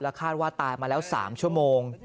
และคาดว่าตายมาสามชั่วโมง